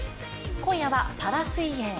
今夜はパラ水泳。